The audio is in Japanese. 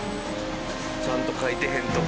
ちゃんと書いてへんとか。